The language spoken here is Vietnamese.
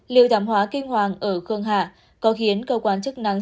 liệu thảm hoá kinh hoàng ở khương hạ có khiến cơ quan chức năng